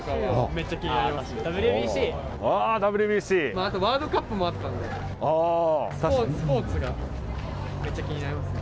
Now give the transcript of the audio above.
あとワールドカップもあったのでスポーツがめっちゃ気になりますね。